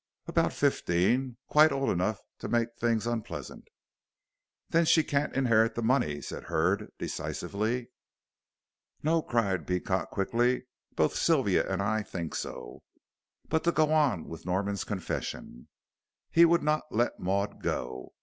"About fifteen; quite old enough to make things unpleasant." "Then she can't inherit the money," said Hurd, decisively. "No," cried Beecot, quickly, "both Sylvia and I think so. But to go on with Norman's confession. He would not let Maud go.